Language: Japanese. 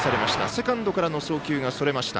セカンドからの送球がそれました。